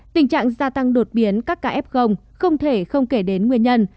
tình trạng gia tăng đột biến các ca f không thể không kể đến nguyên nhân